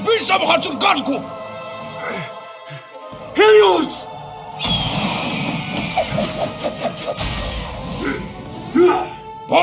boleh dir tuleuting